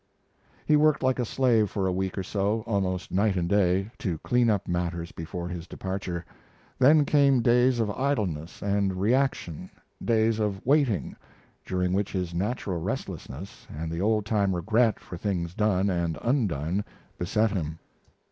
He worked like a slave for a week or so, almost night and day, to clean up matters before his departure. Then came days of idleness and reaction days of waiting, during which his natural restlessness and the old time regret for things done and undone, beset him.